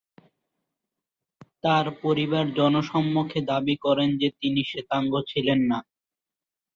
তার পরিবার জনসমক্ষে দাবী করে যে, তিনি শ্বেতাঙ্গ ছিলেন না।